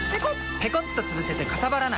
ペコッとつぶせてかさばらない！